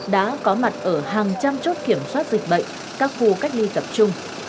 đã có mặt ở hàng trăm chốt kiểm soát dịch bệnh các khu cách ly tập trung